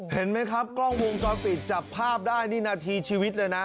เห็นมั้ยครับกล้องวงกรฟิตจับภาพได้ในนาทีชีวิตเลยนะ